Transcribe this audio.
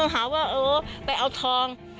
หาว่าไปเอาทอง